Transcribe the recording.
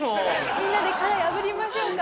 みんなで殻破りましょうか。